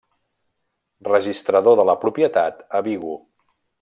Registrador de la propietat a Vigo.